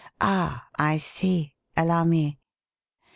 "Ah, I see. Allow me.